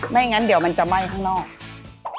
ไม่งั้นเดี๋ยวมันจะไหม้ข้างนอก